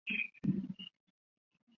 番歆之弟番苗打算复仇。